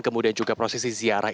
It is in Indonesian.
kemudian juga prosesi ziarah